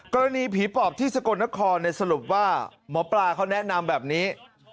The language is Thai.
กรณีผีปอบที่สกลนครสรุปว่าหมอปลาเขาแนะนำแบบนี้